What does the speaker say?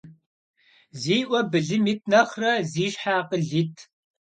Зи Ӏуэ былым ит нэхърэ зи щхьэ акъыл ит.